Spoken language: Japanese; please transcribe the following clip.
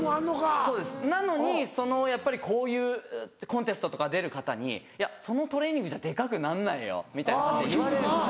そうですなのにそのやっぱりこういうコンテストとか出る方に「そのトレーニングじゃデカくなんないよ」みたいな感じで言われるんですよ。